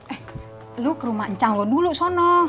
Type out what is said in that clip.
eh lu ke rumah ncang lu dulu sono